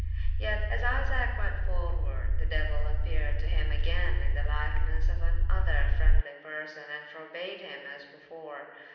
Yet as Isaac went forwarde, the Diuell appeared to hym agayne in the lykenesse of an other frendlye person, and forbade hym as before.